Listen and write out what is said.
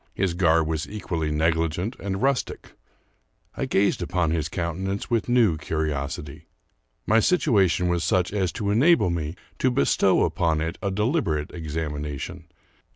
His garb was equally negligent and rustic. I gazed upon his countenance with new curiosity. My situation was such as to enable me to bestow upon it a deliberate examination.